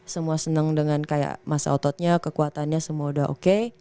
semua senang dengan kayak masa ototnya kekuatannya semua udah oke